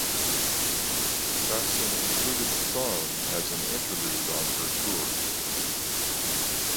Jackson included the song as an interlude on her tour.